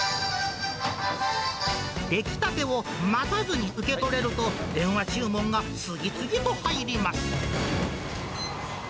出来たてを待たずに受け取れると、電話注文が次々と入ります。